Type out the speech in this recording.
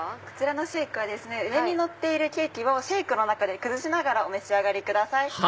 こちらのシェイクは上にのっているケーキをシェイクの中で崩しながらお召し上がりください。